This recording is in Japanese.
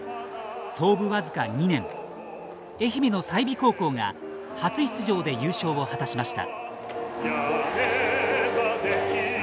創部僅か２年愛媛の済美高校が初出場で優勝を果たしました。